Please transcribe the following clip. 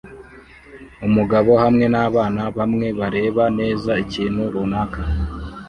Umugabo hamwe nabana bamwe bareba neza ikintu runaka